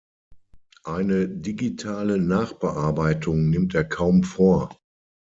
Eine digitale Nachbearbeitung nimmt er kaum vor.